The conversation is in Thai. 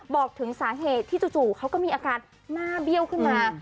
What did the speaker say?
บอกถึงสาเหตุที่จู่เขาก็มีอาการหน้าเบี้ยวขึ้นมา